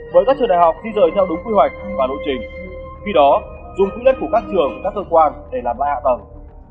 với các trường đại học di rời theo đúng quy hoạch và lộ trình khi đó dùng quỹ đất của các trường các cơ quan để làm lại hạ tầng